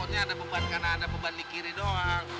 maksudnya ada beban kanan ada beban di kiri doang